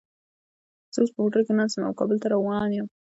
زه اوس په موټر کې ناست یم او کابل ته روان یم